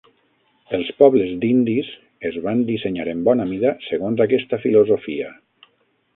Els pobles d'indis es van dissenyar, en bona mida, segons aquesta filosofia.